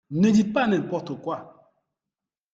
Ne dites pas n’importe quoi